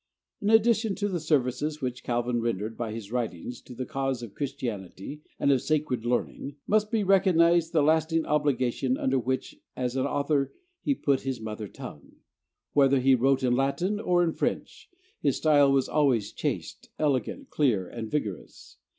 In addition to the services which Calvin rendered by his writings to the cause of Christianity and of sacred learning, must be recognized the lasting obligation under which as an author he put his mother tongue. Whether he wrote in Latin or in French, his style was always chaste, elegant, clear, and vigorous.